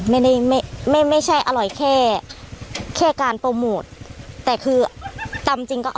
ไม่ได้เป็นไม่ใช่อร่อยเคยการโพโมตแต่ตำจริงก็อร่อยค่ะ